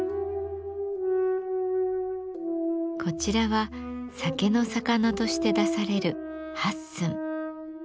こちらは酒のさかなとして出される八寸。